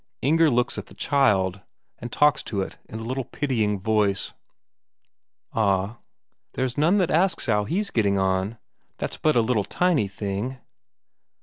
Inger looks at the child, and talks to it in a little pitying voice: "Ah, there's none asks how he's getting on, that's but a little tiny thing."